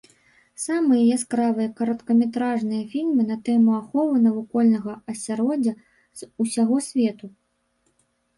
Самыя яскравыя кароткаметражныя фільмы на тэму аховы навакольнага асяроддзя з усяго свету.